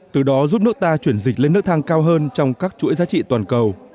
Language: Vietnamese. từ đó giúp nước ta chuyển dịch lên nước thang cao hơn trong các chuỗi giá trị toàn cầu